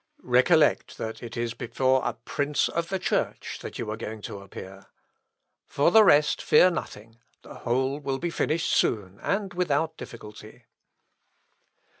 Recollect that it is before a prince of the Church that you are going to appear. For the rest fear nothing; the whole will be finished soon, and without difficulty."